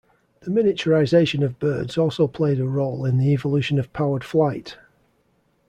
The miniaturization of birds also played a role in the evolution of powered flight.